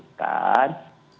nah akhirnya panitia memutuskan